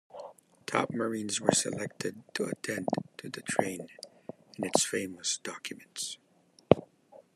Top Marines were selected to attend to the train and its famous documents.